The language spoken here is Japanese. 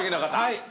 はい。